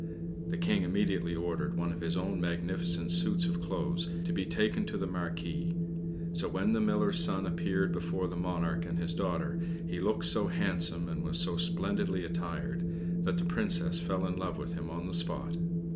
The King immediately ordered one of his own magnificent suits of clothes to be taken to the Marquis; so when the Miller's son appeared before the monarch and his daughter, he looked so handsome, and was so splendidly attired, that the Princess fell in love with him on the spot.